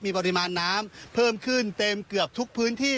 มีปริมาณน้ำเพิ่มขึ้นเต็มเกือบทุกพื้นที่